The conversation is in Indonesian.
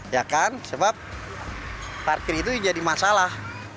ya kan sebab parkir itu jadi masalah